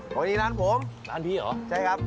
วันนี้ร้านผมร้านพี่เหรอใช่ครับ